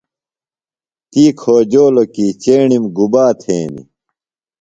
تی کھوجولو کی چیݨِم گُبا تھینی ۔